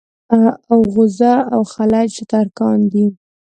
اوغوز او خَلَج ترکان دي.